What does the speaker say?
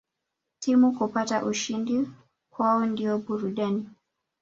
Timu kupata ushindi kwao ndio burudani